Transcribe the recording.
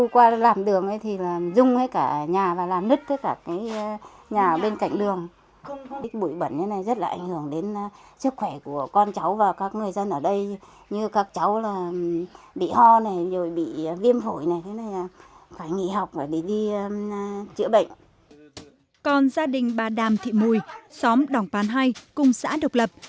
con gia đình bà đàm thị mùi xóm đỏng pán hai cùng xã độc lập